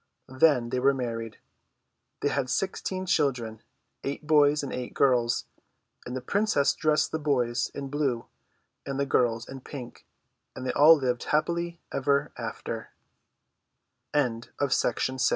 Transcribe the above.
Then they were married. They liad sixteen children — eight boys and eight girls — and the princess dressed the boys in blue, and the girls in pink, and they all lived happ